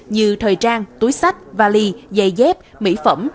như thời trang túi sách vali giày dép mỹ phẩm